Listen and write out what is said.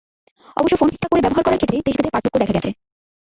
অবশ্য ফোন ঠিকঠাক করে ব্যবহার করার ক্ষেত্রে দেশভেদে পার্থক্য দেখা গেছে।